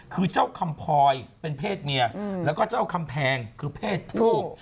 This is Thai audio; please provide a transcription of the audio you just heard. คือเจ้าคำพลอยเป็นเพศเมียแล้วก็เจ้าคำแพงคือเพศผู้